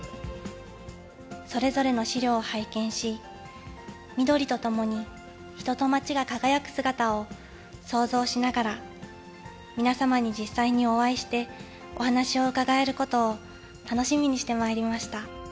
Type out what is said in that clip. それぞれの資料を拝見し、みどりとともに人とまちが輝く姿を想像しながら、皆様に実際にお会いしてお話を伺えることを楽しみにしてまいりました。